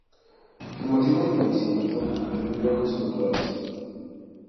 El motivo del fallecimiento se atribuyó a causas naturales.